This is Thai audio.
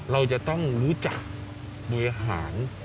เราจะต้องรู้จักบริหาร